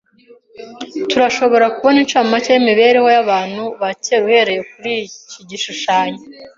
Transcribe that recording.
Turashobora kubona incamake yimibereho yabantu ba kera uhereye kuriki gishushanyo.